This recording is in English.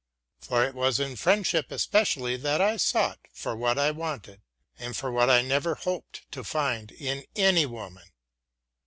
For it was in friendship especially that I sought for what I wanted, and for what I never hoped to find in any woman.